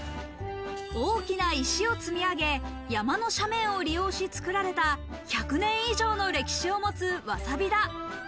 大きな石を積み上げ、山の斜面を利用し、作られた１００年以上の歴史を持つ、わさび田。